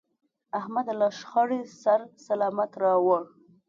احمد له شخړې سر سلامت راوړ.